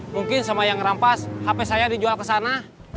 mungkin sama yang rampas hp saya dijual ke sana